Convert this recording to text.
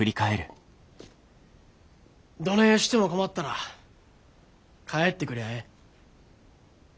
どねえしても困ったら帰ってくりゃあええ。